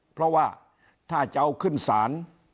เพราะว่าถ้าจะเอาขึ้นศาล